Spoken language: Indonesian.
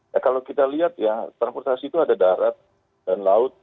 ya kalau kita lihat ya transportasi itu ada darat dan laut